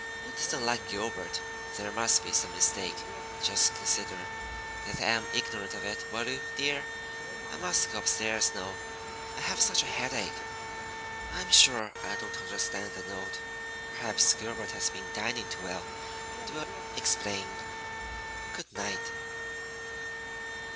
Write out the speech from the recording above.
It isn't like Gilbert. There must be some mistake. Just consider that I am ignorant of it, will you, dear? I must go up stairs now, I have such a headache. I'm sure I don't understand the note. Perhaps Gilbert has been dining too well, and will explain. Good night!"